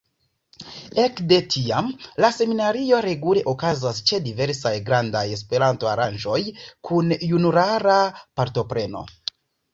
Ekde tiam la seminario regule okazas ĉe diversaj grandaj Esperanto-aranĝoj kun junulara partopreno.